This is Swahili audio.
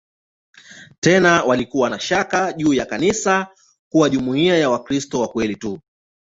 Tena walikuwa na shaka juu ya kanisa kuwa jumuiya ya "Wakristo wa kweli tu".